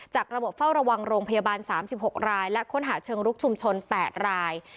จากระบบเฝ้าระวังโรงพยาบาล๓๖รายและค้นหาเชิงรุกชุมชน๘ราย